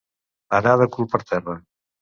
Anar de cul per terra.